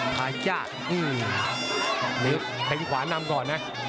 ทายาทนี้เต็งขวานำก่อนนะ